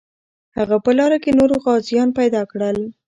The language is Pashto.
هغه په لاره کې نور غازیان پیدا کړل.